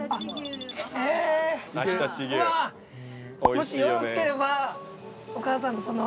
もしよろしければお母さんその。